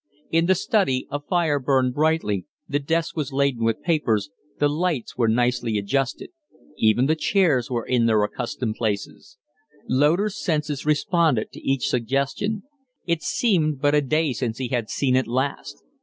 In the study a fire burned brightly, the desk was laden with papers, the lights were nicely adjusted; even the chairs were in their accustomed places. Loder's senses responded to each suggestion. It seemed but a day since he had seen it last.